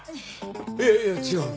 いやいや違う。